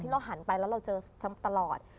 เราหันไปแล้วเราเจอตลอด